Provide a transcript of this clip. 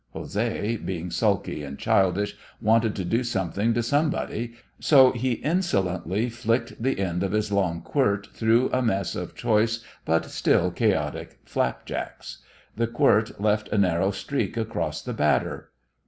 José, being sulky and childish, wanted to do something to somebody, so he insolently flicked the end of his long quirt through a mess of choice but still chaotic flap jacks. The quirt left a narrow streak across the batter.